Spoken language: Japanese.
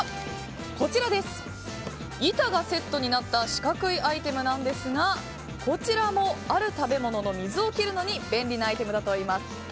こちら、板がセットになった四角いアイテムなんですがこちらもある食べ物の水を切るのに便利なアイテムだといいます。